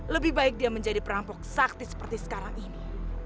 lebih baik dia menjadi perampok sakti seperti sekarang ini